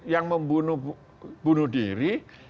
yang membunuh diri